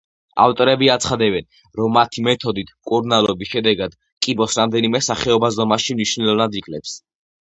ავტორები აცხადებენ, რომ მათი მეთოდით მკურნალობის შედეგად, კიბოს რამდენიმე სახეობა ზომაში მნიშვნელოვნად იკლებს.